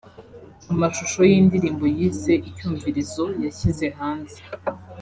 Amashusho y’indirimbo yise ‘Icyumvirizo’ yashyize hanze